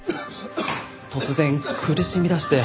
突然苦しみだして。